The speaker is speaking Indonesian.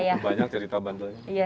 banyak cerita bandelnya